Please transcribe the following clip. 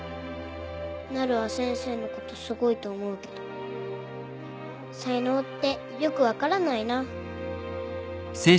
なるは先生のことすごいと思うけどさいのうってよく分からないな。